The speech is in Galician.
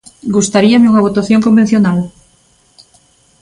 Gustaríame unha votación convencional.